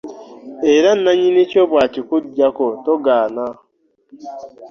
Era nnamyini kyo bwakikuggyako togaana .